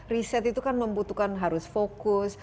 riset itu kan membutuhkan harus fokus